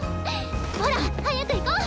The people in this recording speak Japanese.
ほら早く行こう！